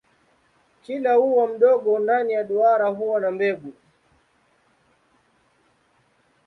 Kila ua mdogo ndani ya duara huwa na mbegu.